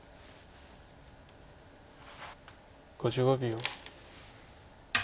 ５５秒。